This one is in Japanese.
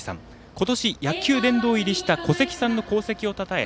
今年、野球殿堂入りした古関さんの功績をたたえ